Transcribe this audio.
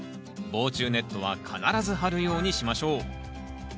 防虫ネットは必ず張るようにしましょう。